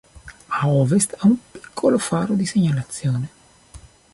A ovest ha un piccolo faro di segnalazione.